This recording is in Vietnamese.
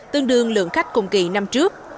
tương đương lượng khách cùng kỳ năm trước